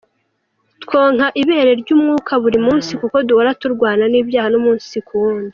Twonka ibere ry’Umwuka buri munsi kuko duhora turwana n’ibyaha umunsi ku wundi.